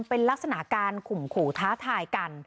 เป็นลักษณะการข่มขู่ท้าทายกัน